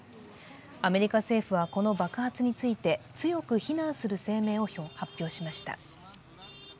アメリカ政府はこの爆発について強く非難する声明を発表しました。